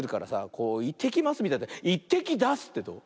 こう「いってきます」みたいな「いってきだす」ってどう？